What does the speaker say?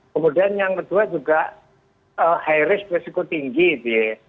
kemudian yang kedua juga high risk risiko tinggi gitu ya